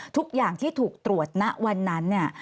ทุกอย่างที่ถูกตรวจณวันนั้นเนี่ย